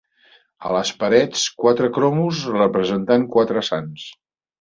A les parets quatre cromos representant quatre sants